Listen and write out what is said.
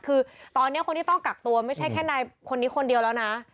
คือตอนนี้คนที่ต้องกักตัวไม่ใช่แค่นายคนนี้คนเดียวแล้วนะ